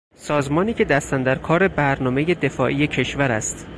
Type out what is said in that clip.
سازمانی که دست اندر کار برنامهی دفاعی کشور است